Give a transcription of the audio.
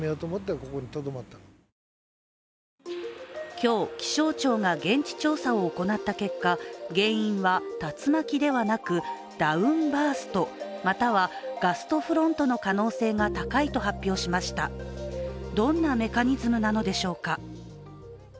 今日、気象庁が現地調査を行った結果、原因は竜巻ではなくダウンバーストまたはガストフロントの可能性が高いと発表しましたどんなメカニズムなのでしょうか。